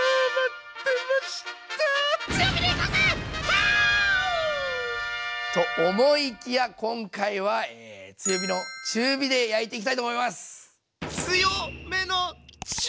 ワーオ！と思いきや今回は強めの中火で焼いていきたいと思います。